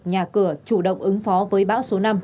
nhà cửa chủ động ứng phó với bão số năm